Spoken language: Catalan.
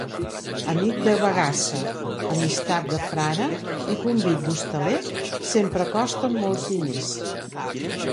Amic de bagassa, amistat de frare i convit d'hostaler sempre costen molts diners.